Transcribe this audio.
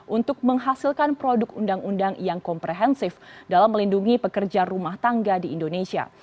untuk menghasilkan produk undang undang yang komprehensif dalam melindungi pekerja rumah tangga di indonesia